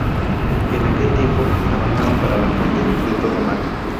En aquel tiempo, trabajaban para La Fuente de Todo Mal.